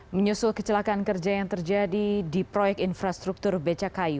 menyusul kecelakaan kerja yang terjadi di proyek infrastruktur becakayu